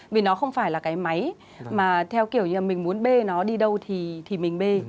vì nó không phải là cái máy mà theo kiểu mình muốn bê nó đi đâu thì mình bê